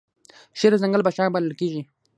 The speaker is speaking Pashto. شیر د ځنګل پاچا بلل کیږي